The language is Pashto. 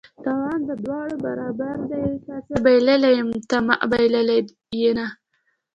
تاوان د دواړه برابر دي: تا زه بایللي یم ته ما بایلله ینه